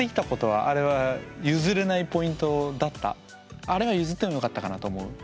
あれは譲ってもよかったかなと思う？